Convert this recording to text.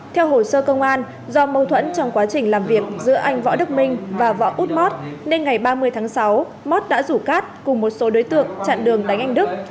theo hồ sơ công an do mâu thuẫn trong quá trình làm việc giữa anh võ đức minh và võ út mót nên ngày ba mươi tháng sáu mót đã rủ cát cùng một số đối tượng chặn đường đánh anh đức